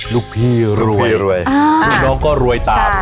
ลูกพี่รวยลูกพี่รวยอ่าลูกน้องก็รวยตามใช่